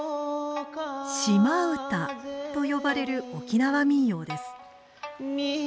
島唄と呼ばれる沖縄民謡です。